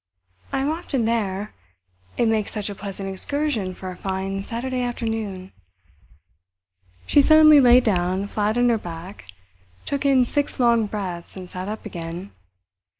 I am often there; it makes such a pleasant excursion for a fine Saturday afternoon." She suddenly lay down flat on her back, took in six long breaths, and sat up again.